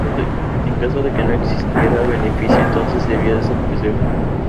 En caso de que no existiera beneficio, entonces debía desaparecer.